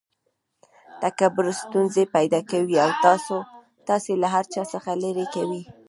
تکبر ستونزي پیدا کوي او تاسي له هر چا څخه ليري کوي.